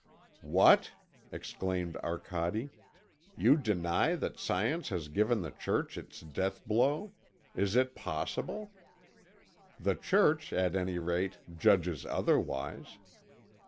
"What!" exclaimed Arcade, "you deny that Science has given the Church its death blow? Is it possible? The Church, at any rate, judges otherwise.